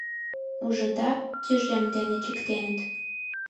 — Ужыда: тӱжем дене чиктеныт...